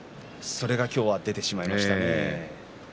それが今日出てしまいましたね。